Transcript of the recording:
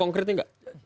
contoh konkretnya tidak